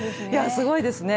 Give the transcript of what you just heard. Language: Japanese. すごいですね。